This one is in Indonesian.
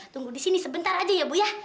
tunggu di sini sebentar aja ya bu ya